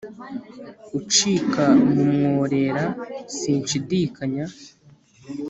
ucika mu mworera sinshidikanya